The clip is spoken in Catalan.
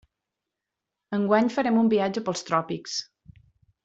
Enguany farem un viatge pels tròpics.